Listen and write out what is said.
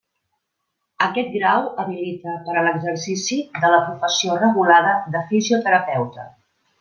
Aquest grau habilita per a l'exercici de la professió regulada de fisioterapeuta.